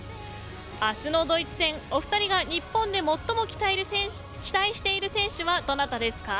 明日のドイツ戦お二人が日本で最も期待している選手はどなたですか。